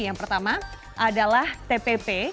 yang pertama adalah tpp